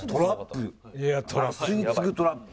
吸いつくトラップ。